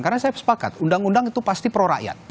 karena saya sepakat undang undang itu pasti prorakyat